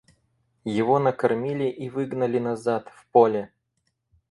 Его накормили и выгнали назад — в поле.